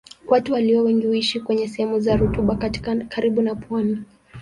Watu walio wengi huishi kwenye sehemu za rutuba karibu na pwani.